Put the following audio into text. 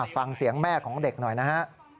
ฟังเสียงแม่ของเด็กหน่อยนะฮะ